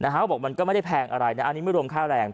เขาบอกมันก็ไม่ได้แพงอะไรนะอันนี้ไม่รวมค่าแรง